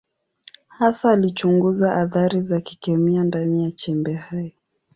Hasa alichunguza athari za kikemia ndani ya chembe hai.